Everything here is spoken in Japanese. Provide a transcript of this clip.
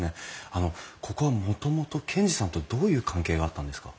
あのここはもともと賢治さんとどういう関係があったんですか？